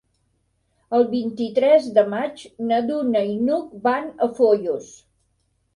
El vint-i-tres de maig na Duna i n'Hug van a Foios.